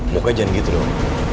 muka jangan gitu dong